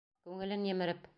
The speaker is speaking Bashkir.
Күңелен емереп...